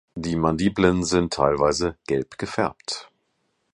Die Mandibeln sind teilweise gelb gefärbt.